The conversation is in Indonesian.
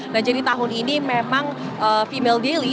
nah jadi tahun ini memang female daily